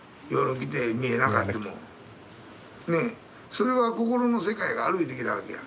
それは心の世界がある言うてきたわけや。